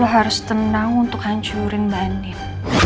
lo harus tenang untuk hancurin mbak andin